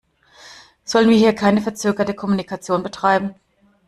Sollen wir hier keine verzögerte Kommunikation betreiben?